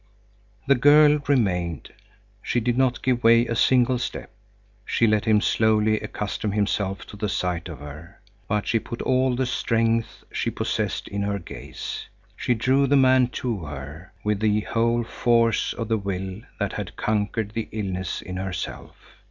The girl remained. She did not give way a single step; she let him slowly accustom himself to the sight of her. But she put all the strength she possessed in her gaze. She drew the man to her with the whole force of the will that had conquered the illness in herself.